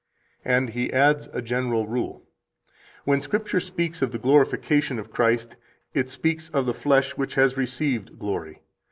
And he adds a general rule: When Scripture speaks of the glorification of Christ, it speaks of the flesh, which has received glory.